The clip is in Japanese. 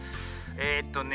えっとね